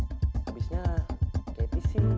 habisnya pak keti sih